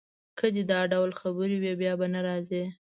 که دي دا ډول خبرې وې، بیا به نه راځې.